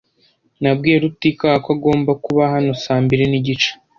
Nabwiye Rutikanga ko agomba kuba hano saa mbiri nigice.